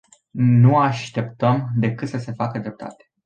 Nu așteptăm decât să se facă dreptate.